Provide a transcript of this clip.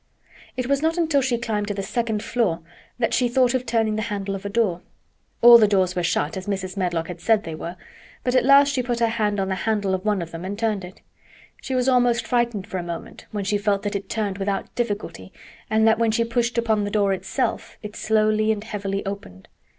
It was not until she climbed to the second floor that she thought of turning the handle of a door. All the doors were shut, as Mrs. Medlock had said they were, but at last she put her hand on the handle of one of them and turned it. She was almost frightened for a moment when she felt that it turned without difficulty and that when she pushed upon the door itself it slowly and heavily opened.